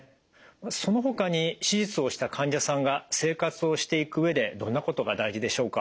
そのほかに手術をした患者さんが生活をしていく上でどんなことが大事でしょうか？